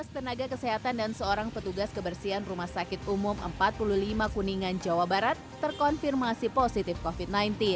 dua belas tenaga kesehatan dan seorang petugas kebersihan rumah sakit umum empat puluh lima kuningan jawa barat terkonfirmasi positif covid sembilan belas